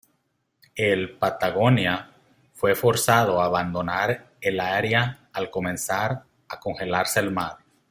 El "Patagonia" fue forzado a abandonar el área al comenzar a congelarse el mar.